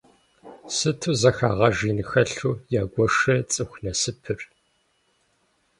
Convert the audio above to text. Сыту зэхэгъэж ин хэлъу ягуэшрэ цӏыху насыпыр.